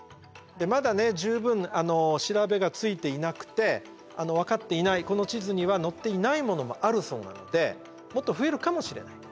まだね十分調べがついていなくて分かっていないこの地図には載っていないものもあるそうなのでもっと増えるかもしれない。